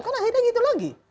karena akhirnya gitu lagi